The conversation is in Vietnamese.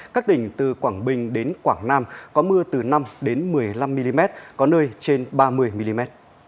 các tỉnh từ quảng bình đến quảng nam có mưa từ năm một mươi năm mm có nơi trên ba mươi mm